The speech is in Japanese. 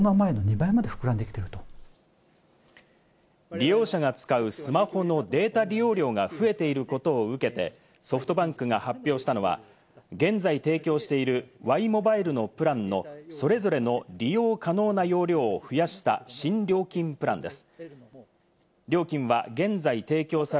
利用者が使うスマホのデータ利用量が増えていることを受けて、ソフトバンクが発表したのは、現在提供しているワイモバイルのプランのそれぞれの利用可能な容量を増やした新料金プランです。